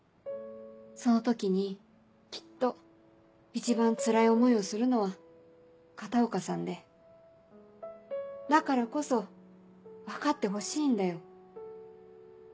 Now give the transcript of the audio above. その時にきっと一番つらい思いをするのは片岡さんでだからこそ分かってほしいんだよ。